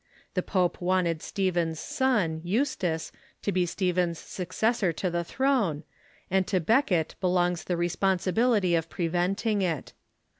The pope wanted Stephen's son, Eustace, to be Stephen's successor to the throne, and to Becket belongs the responsibility of preventing it.